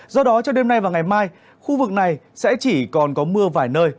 do đó cho đêm nay và ngày mai khu vực này sẽ chỉ còn có mưa vài nơi